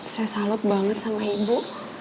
saya salut banget sama ibu